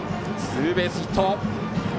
ツーベースヒット。